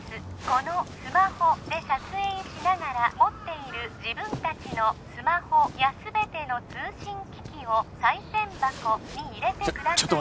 このスマホで撮影しながら持っている自分達のスマホや全ての通信機器を賽銭箱に入れてください